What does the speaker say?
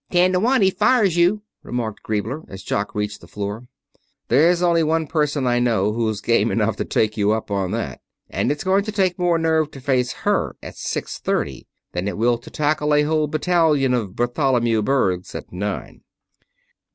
"Ten to one he fires you," remarked Griebler, as Jock reached the door. "There's only one person I know who's game enough to take you up on that. And it's going to take more nerve to face her at six thirty than it will to tackle a whole battalion of Bartholomew Bergs at nine."